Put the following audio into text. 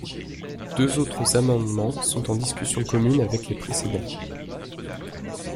Deux autres amendements sont en discussion commune avec les précédents.